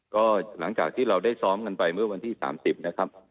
ก็หลังจากที่เราได้ซ้อมกันไปเมื่อวันที่๓๐นะครับ